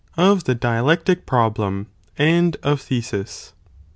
—Of the Dialectic Problem, and of Thesis.